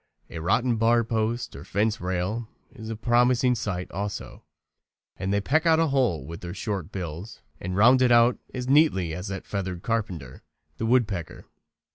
A rotten bar post or fence rail is a promising site also, and they peck out a hole with their short bills and round it out quite as neatly as that feathered carpenter, the woodpecker.